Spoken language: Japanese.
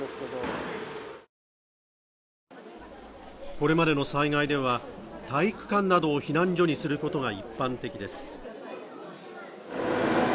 これまでの災害では体育館などを避難所にすることが一般的です